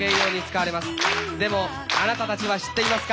でもあなたたちは知っていますか？